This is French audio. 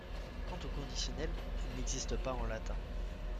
Quant au conditionnel, il n'existait pas en latin.